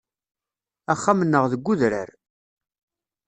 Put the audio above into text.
Axxam-nneɣ deg udrar.